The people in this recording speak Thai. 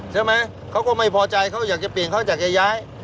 ใช่ไหมเขาก็ไม่พอใจเขาอยากจะเปลี่ยนเขาอยากจะย้าย